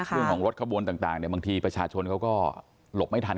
เรื่องของรถขบวนต่างบางทีประชาชนเขาก็หลบไม่ทัน